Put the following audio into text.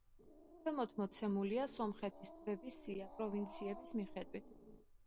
ქვემოთ მოცემულია სომხეთის ტბების სია პროვინციების მიხედვით.